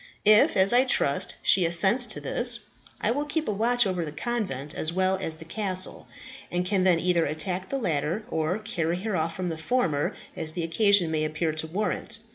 If, as I trust, she assents to this, I will keep a watch over the convent as well as the castle, and can then either attack the latter, or carry her off from the former, as the occasion may appear to warrant.